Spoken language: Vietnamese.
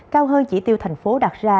cao hơn chỉ tiêu thành phố đạt ra